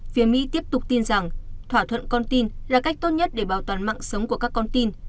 phía mỹ tiếp tục tin rằng thỏa thuận con tin là cách tốt nhất để bảo toàn mạng sống của các con tin